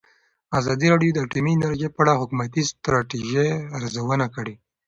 ازادي راډیو د اټومي انرژي په اړه د حکومتي ستراتیژۍ ارزونه کړې.